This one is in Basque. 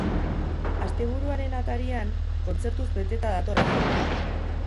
Asteburuaren atarian, kontzertuz beteta dator agenda.